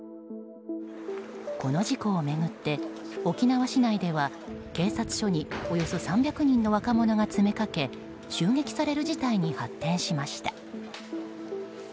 この事故を巡って、沖縄市内では警察署におよそ３００人の若者が詰めかけ襲撃される事態に発展しました。